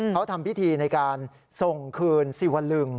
เขาทำพิธีในการส่งคืนสิวลึง